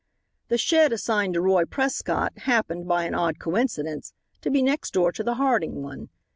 The shed assigned to Roy Prescott, happened, by an odd coincidence, to be next door to the Harding one.